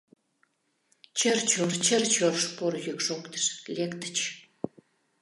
Чыр-чор, чыр-чор шпор йӱк шоктыш, лектыч.